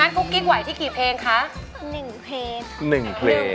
คุณแม่รู้สึกยังไงในตัวของกุ้งอิงบ้าง